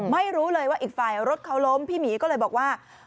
ไม่รู้เลยว่าอีกฝ่ายรถเขาล้มพี่หมีก็เลยบอกว่า